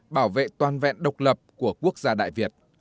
bảo vệ toàn vẹn độc lập của quốc gia đại việt